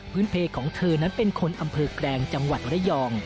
เพลของเธอนั้นเป็นคนอำเภอแกลงจังหวัดระยอง